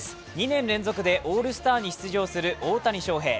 ２年連続でオールスターに出場する大谷翔平。